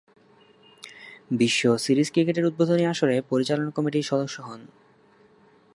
বিশ্ব সিরিজ ক্রিকেটের উদ্বোধনী আসরে পরিচালনা কমিটির সদস্য হন।